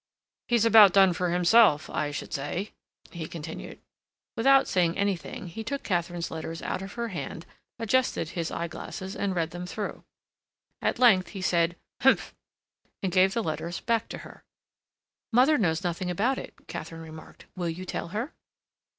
"He's about done for himself, I should say," he continued. Without saying anything, he took Katharine's letters out of her hand, adjusted his eyeglasses, and read them through. At length he said "Humph!" and gave the letters back to her. "Mother knows nothing about it," Katharine remarked. "Will you tell her?"